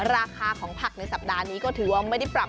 กิโลกรัมนะจ้ะราคาของผักในสัปดาห์นี้ก็ถือว่าไม่ได้ปรับ